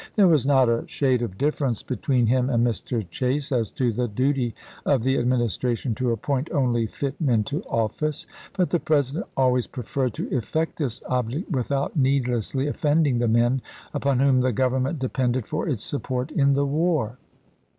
There was not a shade of difference be tween him and Mr. Chase as to the duty of the Administration to appoint only fit men to office, but the President always preferred to effect this object without needlessly offending the men upon whom the Government depended for its support in the war.